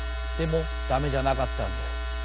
でも駄目じゃなかったんです。